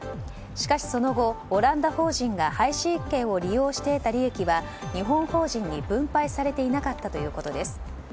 しかしその後、オランダ法人が配信権を利用して得た利益は日本法人に分配されていなかったということです。